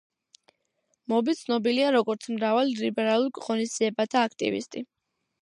მობი ცნობილია როგორც მრავალ ლიბერალურ ღონისძიებათა აქტივისტი.